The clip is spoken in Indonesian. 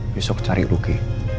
besok cari luki